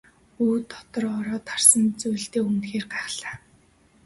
Хүү дотор ороод харсан зүйлдээ үнэхээр гайхлаа.